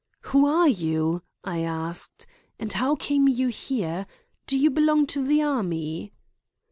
"Who are you?" I asked; "and how came you here? Do you belong to the army?"